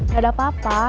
gak ada apa apa